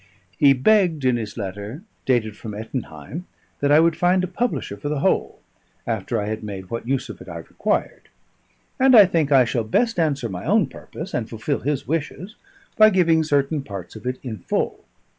He begged in his letter, dated from Ettenheim, that I would find a publisher for the whole, after I had made what use of it I required; and I think I shall best answer my own purpose and fulfil his wishes by giving certain parts of it in full.